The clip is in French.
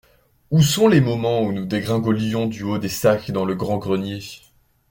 Où sont les moments où nous dégringolions du haut des sacs dans le grand grenier.